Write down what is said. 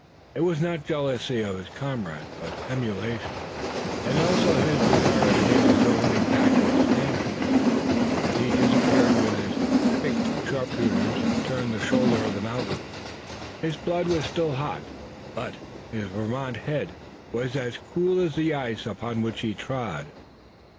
It was not jealousy of his comrade, but emulation, and also a desire to meet his own exacting standards. As he disappeared with his picked sharpshooters and turned the shoulder of the mountain his blood was still hot, but his Vermont head was as cool as the ice upon which he trod.